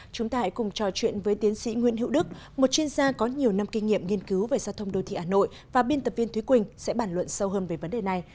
chúng ta hãy cùng trò chuyện với tiến sĩ nguyễn hữu đức một chuyên gia có nhiều năm kinh nghiệm nghiên cứu về giao thông đô thị hà nội và biên tập viên thúy quỳnh sẽ bản luận sâu hơn về vấn đề này